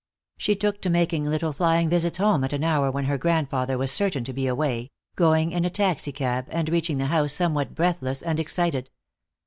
She took to making little flying visits home at an hour when her grandfather was certain to be away, going in a taxicab, and reaching the house somewhat breathless and excited.